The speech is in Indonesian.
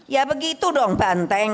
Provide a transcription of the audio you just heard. ya begitu dong banteng